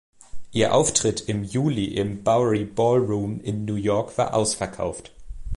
Ihr Auftritt im Juli im Bowery Ballroom in New York war ausverkauft.